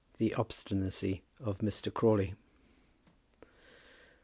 THE OBSTINACY OF MR. CRAWLEY.